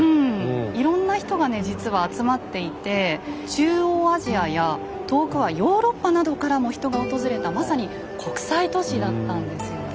いろんな人がね実は集まっていて中央アジアや遠くはヨーロッパなどからも人が訪れたまさに国際都市だったんですよね。